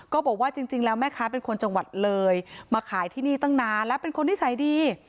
ก็บอกว่าจริงแล้วแม่ค้าเป็นคนจังหวัดเลยมาขายที่นี่ตั้งนานและเป็นคนนิสัยดี